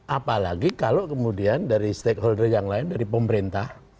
apalagi kalau kemudian dari stakeholder yang lain dari pemerintah